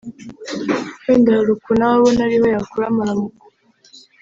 wenda hari ukuntu aba abona ari ho yakura amaramuko